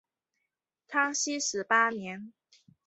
康熙十八年。